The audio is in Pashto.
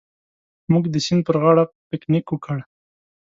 موږ د سیند پر غاړه پکنیک وکړ.